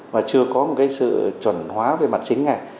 và chưa có một cái sự chuẩn hóa về mặt chính này